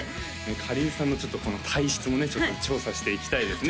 かりんさんのこの体質もねちょっと調査していきたいですね